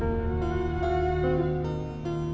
terima kasih tuan